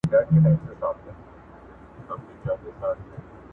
او نوي زاویو خبره وکړه